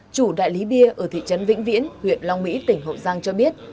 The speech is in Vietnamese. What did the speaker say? chủ đại lý bia ở thị trấn vĩnh viễn huyện long mỹ tỉnh hậu giang cho biết